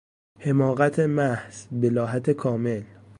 حماقت محض، بلاهت کامل